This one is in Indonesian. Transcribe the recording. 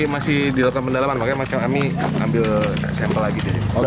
masih dilakukan pendalaman makanya kami ambil sampel lagi